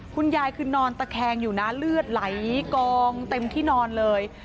คุณยายคือนอนตะแคงอยู่นะเลือดไหลกองเต็มที่นอนเลย